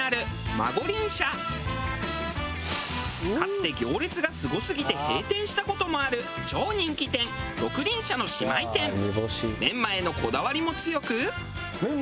かつて行列がすごすぎて閉店した事もある超人気店メンマへのこだわりも強く。